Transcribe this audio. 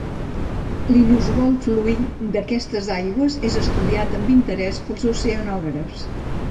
L'inusual fluir d'aquestes aigües és estudiat amb interès pels oceanògrafs.